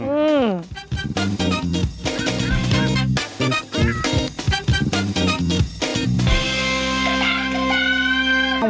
อืม